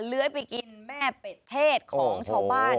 เลื้อยไปกินแม่เป็ดเทศของชาวบ้าน